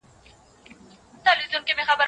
ټولنپوهان د ټولنیز رفتار وړاندوينه کولای سي.